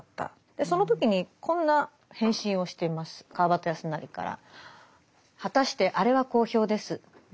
その時にこんな返信をしています川端康成から。